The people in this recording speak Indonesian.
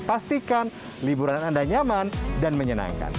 pastikan liburan anda nyaman dan menyenangkan